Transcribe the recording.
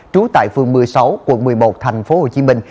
trú tại phường một mươi sáu quận một mươi một thành phố hồ chí minh